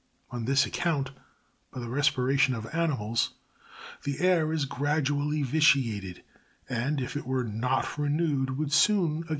27. On this account, by the respiration of animals, the air is gradually vitiated, and, if it were not renewed, would soon occa sion asphyxia.